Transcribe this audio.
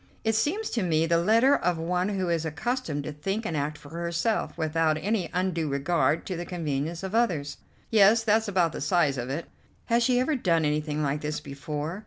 "It seems to me the letter of one who is accustomed to think and act for herself, without any undue regard to the convenience of others." "Yes, that's about the size of it." "Has she ever done anything like this before?"